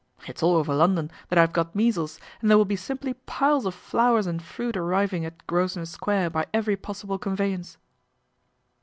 It's all over London that I've got measles, and there will be simply piles of flowers and fruit arriving at Grosvenor Square by every possible conveyance."